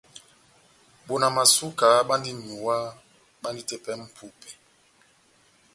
Bona Masuka bandi n’nyuwá, bandi tepɛ mʼpupɛ.